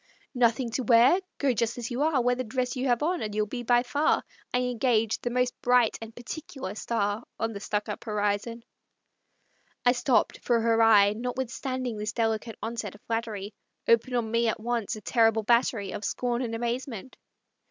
"Nothing to wear! Go just as you are; Wear the dress you have on, and you'll be by far, I engage, the most bright and particular star On the Stuckup horizon " I stopped, for her eye, Notwithstanding this delicate onset of flattery, Opened on me at once a most terrible battery Of scorn and amazement.